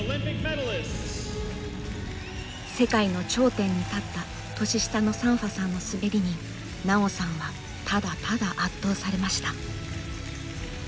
世界の頂点に立った年下のサンファさんの滑りに奈緒さんはただただ圧倒されました。